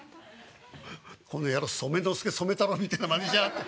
「この野郎染之助・染太郎みたいなまねしやがって。